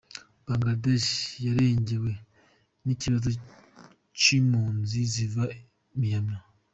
Bangladesh yarengewe n'ikibazo c'impunzi ziva Myanmar.